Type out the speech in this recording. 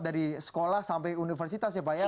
dari sekolah sampai universitas ya pak ya